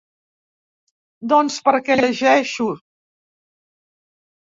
Doncs perquè llegeixo.